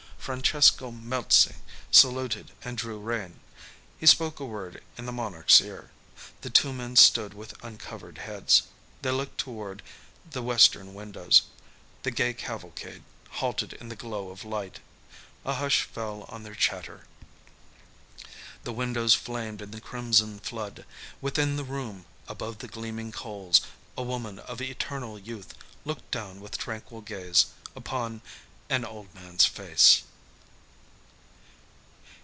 Francesco Melzi saluted and drew rein. He spoke a word in the monarch's ear. The two men stood with uncovered heads. They looked toward the western windows. The gay cavalcade halted in the glow of light. A hush fell on their chatter. The windows flamed in the crimson flood. Within the room, above the gleaming coals, a woman of eternal youth looked down with tranquil gaze upon an old man's face.